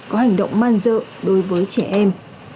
có hành động man dợ đối với trẻ em